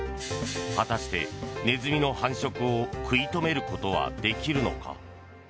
果たして、ネズミの繁殖を食い止めることはできるのか。